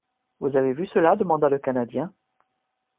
—Vous avez vu cela ? demanda le Canadien.